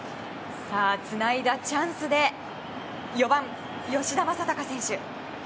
つないだチャンスで４番、吉田正尚選手。